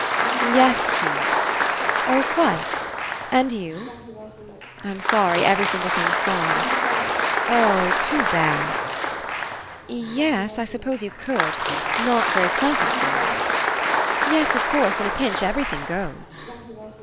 ... Yes, Hugh. ... Oh, quite. ... And you? ... I'm sorry, every single thing's gone. ... Oh, too bad. ... Ye es, I s'pose you could. Not very pleasant, though. ... Yes, of course. In a pinch every thing goes.